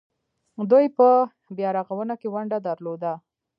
دوی په بیارغونه کې ونډه درلوده.